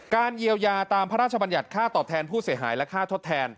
เยียวยาตามพระราชบัญญัติค่าตอบแทนผู้เสียหายและค่าทดแทน